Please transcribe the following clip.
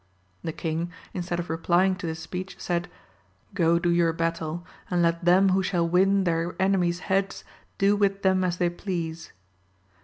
The king instead of replying to this speech, said. Go do your battle, and let them who shall win their enemies* heads, do with them as they please.